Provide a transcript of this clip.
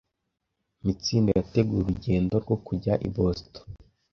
Mitsindo yateguye urugendo rwo kujya i Boston.